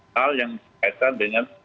hal yang berkaitan dengan